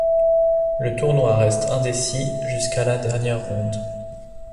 Le tournoi reste indécis jusqu'à la dernière ronde.